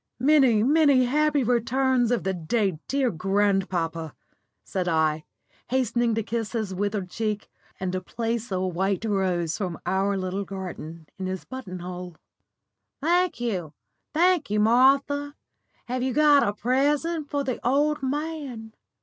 "Many, many happy returns of the day, dear grandpapa," said I, hastening to kiss his withered cheek and to place a white rose from our little garden in his button hole. "Thank you, thank you, Martha. Have you got a present for the old man?"